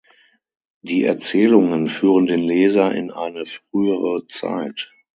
Die Erzählungen führen den Leser in eine frühere Zeit.